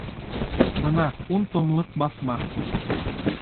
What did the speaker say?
Бына ун томлыҡ баҫма